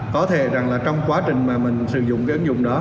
có thể rằng là trong quá trình mà mình sử dụng cái ứng dụng đó